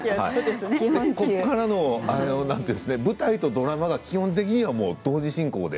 ここからの舞台とドラマは基本的には同時進行で。